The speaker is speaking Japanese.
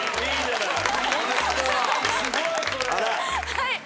はい